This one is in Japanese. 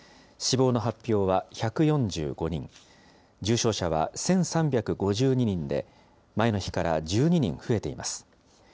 死亡の発表は１４５人、重症者は１３５２人で、前の日から１２人増えています。